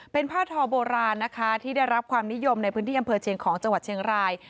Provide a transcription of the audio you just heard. เป็นผ้าทอโบราณนะคะที่ได้รับความนิยมในพื้นที่อำเภอเชียงของจังหวัดเชียงราย